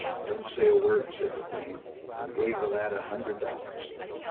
Don't say a word", said the Queen, and gave the lad a hundred dollars.